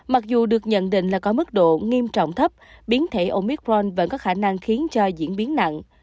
mặc dù được nhận định là có mức độ nghiêm trọng thấp biến thể omicron vẫn có khả năng khiến cho diễn biến nặng